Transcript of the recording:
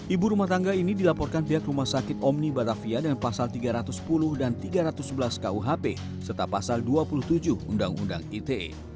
ibu rumah tangga ini dilaporkan pihak rumah sakit omni batavia dengan pasal tiga ratus sepuluh dan tiga ratus sebelas kuhp serta pasal dua puluh tujuh undang undang ite